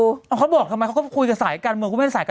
พี่บุ้เตฐานว่าเขาบอกทำไมเขาคุยกับสายการเมือง